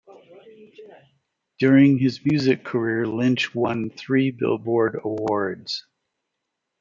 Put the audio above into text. During his music career, Lynch won three Billboard awards.